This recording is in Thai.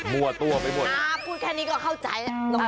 มั่วตัวไปหมดพูดแค่นี้ก็เข้าใจ